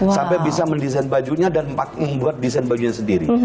sampai bisa mendesain bajunya dan membuat desain bajunya sendiri